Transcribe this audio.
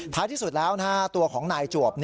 ที่สุดแล้วตัวของนายจวบ